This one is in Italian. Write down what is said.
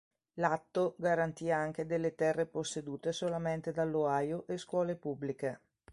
L'atto garantì anche delle terre possedute solamente dall'Ohio e scuole pubbliche.